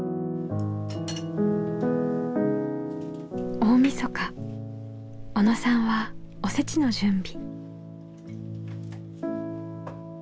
大みそか小野さんはおせちの準備。